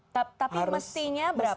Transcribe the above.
tapi mestinya berapa